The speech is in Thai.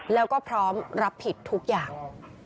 แล้วก็พร้อมรับผิดทุกอย่าง